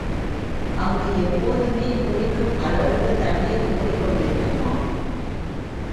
அங்கு எப்போதுமே குளிக்கும் அளவுக்குத் தண்ணீர் ஓடிக் கொண்டிருக்குமாம்.